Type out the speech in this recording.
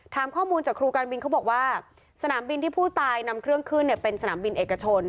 ถามข้อมูลจากครูการบินเขาบอกว่าสนามบินที่ผู้ตายนำเครื่องขึ้นเนี่ยเป็นสนามบินเอกชน